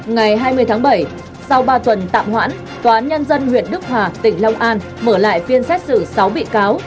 ngày hai mươi tháng bảy sau ba tuần tạm hoãn tòa án nhân dân huyện đức hòa tỉnh long an mở lại phiên xét xử sáu bị cáo